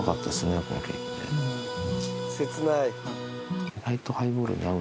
切ない。